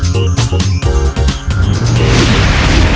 สวัสดีครับ